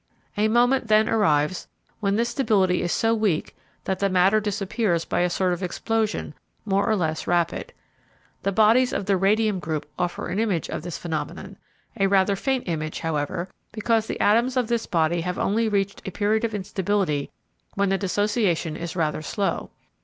A moment, then, arrives when this stability is so weak that the matter disappears by a sort of explosion more or less rapid. The bodies of the radium group offer an image of this phenomenon—a rather faint image, however, because the atoms of this body have only reached a period of instability when the dissociation is rather slow.